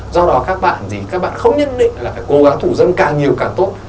do đó các bạn không nhận định là phải cố gắng thủ dâm càng nhiều càng tốt